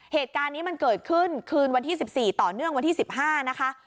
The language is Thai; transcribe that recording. เหตุการณ์นี้มันเกิดขึ้นคืนวันที่๑๔ต่อเนื่องวันที่๑๕นะคะ